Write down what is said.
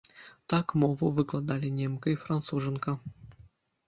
Так мову выкладалі немка і францужанка.